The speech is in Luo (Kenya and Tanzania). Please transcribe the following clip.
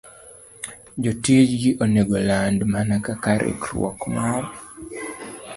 Jotichgi onego land mana kaka riwruok mar